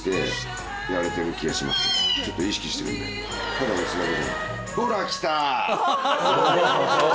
ただ押すだけじゃ。